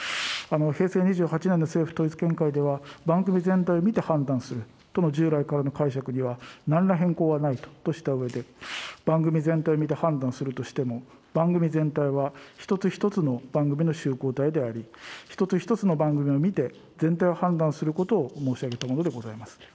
平成２８年の政府統一見解では、番組全体を見て判断するとの従来からの解釈にはなんら変更はないとしたうえで、番組全体を見て判断するとしても、番組全体は一つ一つの番組の集合体であり、一つ一つの番組を見て全体を判断することを申し上げたものでございます。